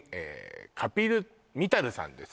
カピル・ミタルさんです